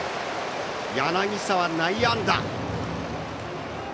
柳澤、内野安打。